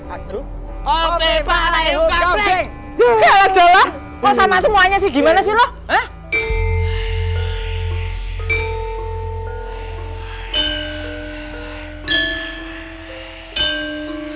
aduh om pimpah layung gambreng ya lah jalan kok sama semuanya sih gimana sih loh